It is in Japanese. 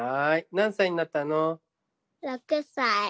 「６歳になったの」。